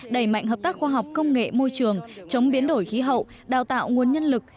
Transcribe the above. đẩy mạnh hợp tác khoa học công nghệ môi trường chống biến đổi khí hậu đào tạo nguồn nhân lực